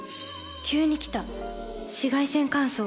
急に来た紫外線乾燥。